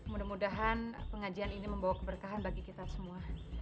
mudah mudahan pengajian ini membawa keberkahan bagi kita semua